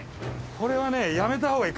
これはねやめたほうがいい。